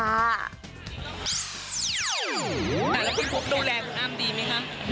แต่ละพี่พุกดูแลคุณอ้ำดีไหมคะ